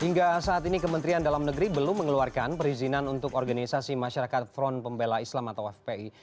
hingga saat ini kementerian dalam negeri belum mengeluarkan perizinan untuk organisasi masyarakat front pembela islam atau fpi